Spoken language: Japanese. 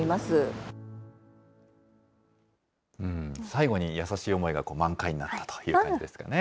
最後に優しい思いが満開になったという感じですかね。